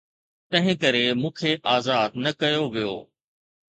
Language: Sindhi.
تنهنڪري مون کي آزاد نه ڪيو ويو.